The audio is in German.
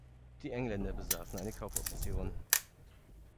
Die Engländer besaßen eine Kaufoption.